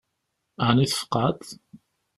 Ɛni tfeqɛeḍ?